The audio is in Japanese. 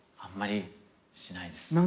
あんまりしないです。